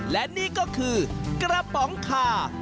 และนี่ก็คือกระป๋องคา